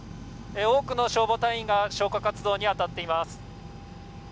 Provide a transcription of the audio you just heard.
多くの消防隊員が消火活動に当たっています。